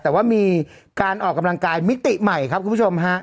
แต่ว่ามีการออกกำลังกายมิติใหม่ครับคุณผู้ชมฮะ